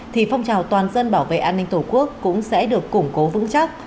thì phong trào toàn dân bảo vệ an ninh tổ quốc cũng sẽ được củng cố vững chắc